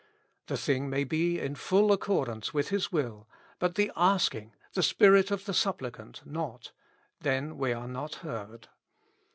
The thing may be in full accordance with His will, but the ask ing, the spirit of the supplicant, not ; then we are not heard.